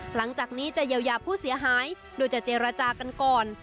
หลังจากนี้จะเยียวยาผู้เสียหายโดยจะเจรจากันก่อน